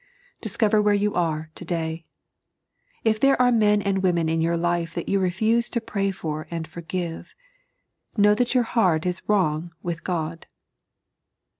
Discover where you are today. If there are men and women in your life that you refuse to pray for and forgive, know that your heart is wrong with God.